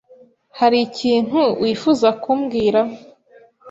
Hari ikintu wifuza kumbwira?